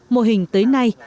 mô hình tới nay